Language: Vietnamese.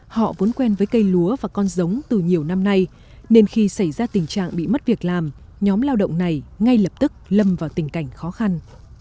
họ vốn quen với cây lúa và con giống từ nhiều năm nay nên khi xảy ra tình trạng bị mất việc làm nhóm lao động này ngay lập tức lâm vào tình cảnh khó khăn